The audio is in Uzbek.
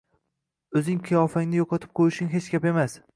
o‘zing qiyofangni yo‘qotib qo‘yishing hech gap emas.